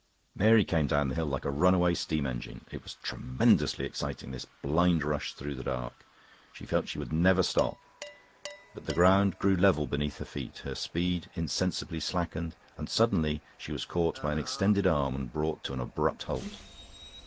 Mary came down the hill like a runaway steam engine. It was tremendously exciting, this blind rush through the dark; she felt she would never stop. But the ground grew level beneath her feet, her speed insensibly slackened, and suddenly she was caught by an extended arm and brought to an abrupt halt.